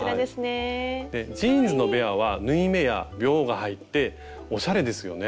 ジーンズのベアは縫い目やびょうが入っておしゃれですよね。